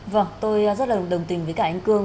vâng tôi rất là đồng tình với cả anh cương